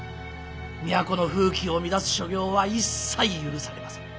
都の風紀を乱す所業は一切許されません。